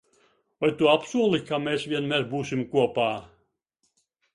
Vai tu apsoli, ka mēs vienmēr būsim kopā?